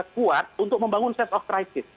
kuat untuk membangun sense of crisis